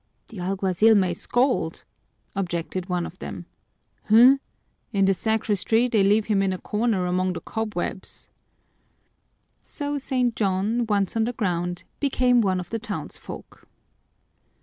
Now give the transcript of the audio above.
"The alguazil may scold!" objected one of them. "Huh, in the sacristy they leave him in a corner among the cobwebs!" So St. John, once on the ground, became one of the townsfolk.